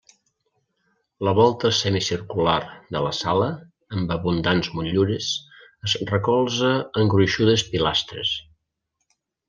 La volta semicircular de la sala, amb abundants motllures, es recolza en gruixudes pilastres.